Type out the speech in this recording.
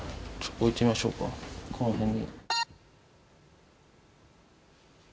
置いてみましょうかこの辺に。